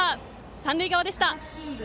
三塁側でした。